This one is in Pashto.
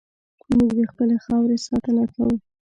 موږ د خپلې خاورې ساتنه کوو.